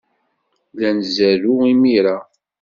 La nzerrew imir-a.